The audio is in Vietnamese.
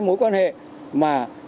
mối quan hệ mà